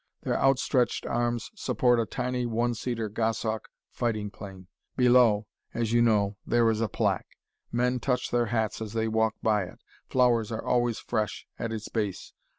Their outstretched arms support a tiny one seater Goshawk fighting plane. Below, as you know, there is a plaque. Men touch their hats as they walk by it; flowers are always fresh at its base.